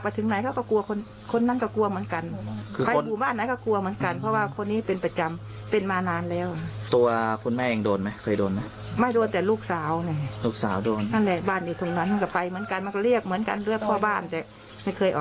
ป้องกันตัวเองคือตอนเย็นก็ปีดบ้านอยู่เลย